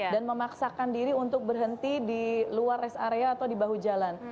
dan memaksakan diri untuk berhenti di luar res area atau di bau jalan